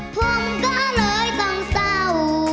ผมก็เลยต้องเศร้า